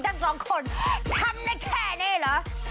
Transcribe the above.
ทั้งสองคนทำได้แค่นี้เหรอ